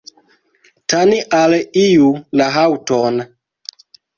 Tani al iu la haŭton.